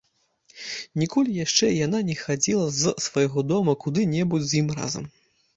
Ніколі яшчэ яна не хадзіла з свайго дома куды-небудзь з ім разам.